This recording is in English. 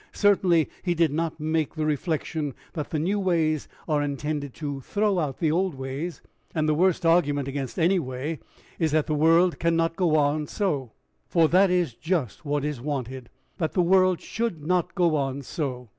Certainly he did not make the reflection that the new ways are intended to throw out the old ways; and the worst argument against any way is that the world can not go on so; for that is just what is wanted that the world should not go on so.